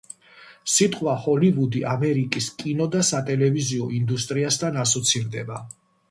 სიტყვა „ჰოლივუდი“ ამერიკის კინო და სატელევიზიო ინდუსტრიასთან ასოცირდება